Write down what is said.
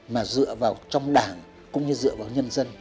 mà dựa vào trong đảng cũng như dựa vào nhân dân